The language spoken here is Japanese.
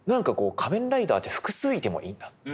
仮面ライダーって複数いてもいいんだって。